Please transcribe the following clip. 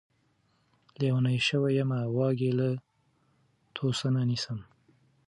لېونے شوے يمه واګې له توسنه نيسم